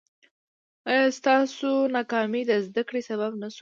ایا ستاسو ناکامي د زده کړې سبب نه شوه؟